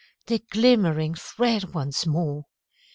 The glimmering thread once more!